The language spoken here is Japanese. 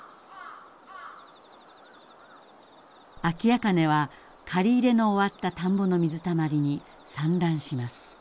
アキアカネは刈り入れの終わった田んぼの水たまりに産卵します。